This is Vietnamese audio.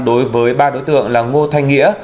đối với ba đối tượng là ngô thanh nghĩa